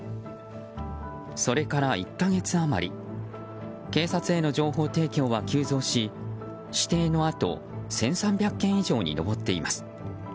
それから１か月余り警察への情報提供は急増し指定のあと１３００件以上に上っています。